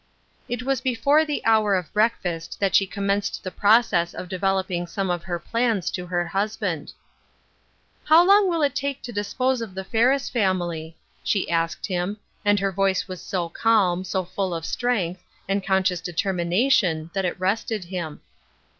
It was before the hour of breakfast that she commenced the process of developing some of her plans to her husband. "How long will it take to dispose of the Fer ris family ?" she asked him, and her voice was so calm, so full of strength, and conscious determi nation that it rested him.